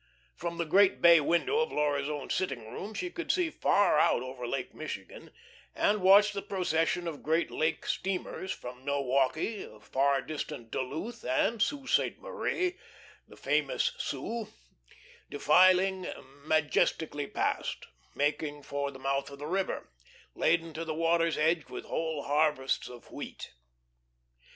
From the great bay window of Laura's own sitting room she could see far out over Lake Michigan, and watch the procession of great lake steamers, from Milwaukee, far distant Duluth, and the Sault Sainte Marie the famous "Soo" defiling majestically past, making for the mouth of the river, laden to the water's edge with whole harvests of wheat.